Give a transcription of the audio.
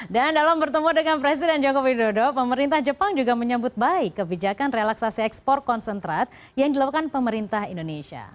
dan dalam bertemu dengan presiden joko widodo pemerintah jepang juga menyebut baik kebijakan relaksasi ekspor konsentrat yang dilakukan pemerintah indonesia